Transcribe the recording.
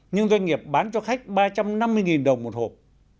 nhưng doanh nghiệp bán cho khách ba trăm năm mươi đồng một hộp